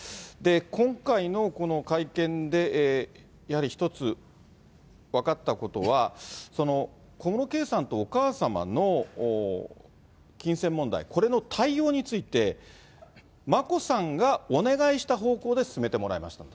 今回のこの会見で、やはり一つ分かったことは、小室圭さんとお母様の金銭問題、これの対応について、眞子さんがお願いした方向で進めてもらいましたと。